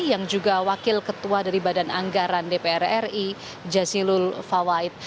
yang juga wakil ketua dari badan anggaran dpr ri jazilul fawait